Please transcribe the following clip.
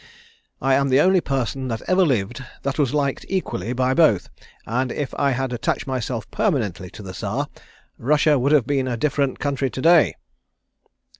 I am the only person that ever lived that was liked equally by both, and if I had attached myself permanently to the Czar, Russia would have been a different country to day."